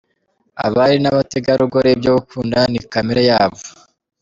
Abari n’Abategarugori, ibyo gukunda ni kamere yabo.